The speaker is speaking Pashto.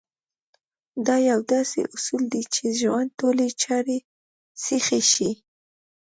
دا يو داسې اصول دی چې ژوند ټولې چارې سيخې شي.